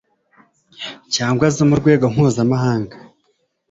cyangwa zo mu rwego mpuzamahanga